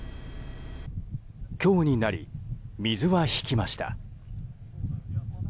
今日になり、水は引きました。